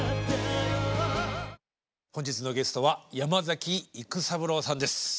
本日のゲストは山崎育三郎さんです。